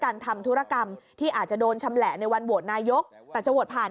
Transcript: ทำธุรกรรมที่อาจจะโดนชำแหละในวันโหวตนายกแต่จะโหวตผ่าน